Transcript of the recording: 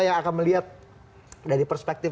yang akan melihat dari perspektif